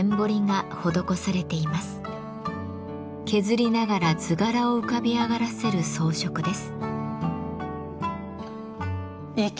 削りながら図柄を浮かび上がらせる装飾です。